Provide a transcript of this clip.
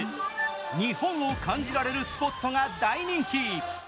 日本を感じられるスポットが大人気。